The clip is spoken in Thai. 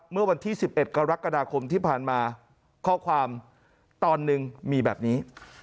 เมื่อวันที่๑๑กรกฎาคมที่ผ่านมาข้อความตอนหนึ่งมีแบบนี้